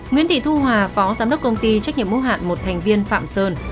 nguyễn thị thu hòa phó giám đốc công ty trách nhiệm hữu hạn một thành viên phạm sơn